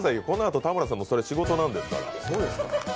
このあと田村さんもそれ仕事なんですから。